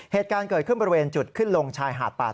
เหตุการณ์เกิดขึ้นบริเวณจุดขึ้นลงชายหาดป่า